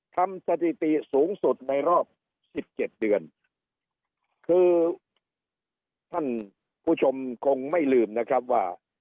สถิติสูงสุดในรอบสิบเจ็ดเดือนคือท่านผู้ชมคงไม่ลืมนะครับว่า